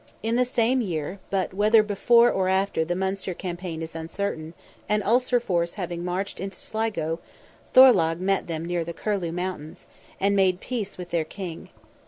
In the same year—but whether before or after the Munster campaign is uncertain—an Ulster force having marched into Sligo, Thorlogh met them near the Curlew mountains, and made peace with their king.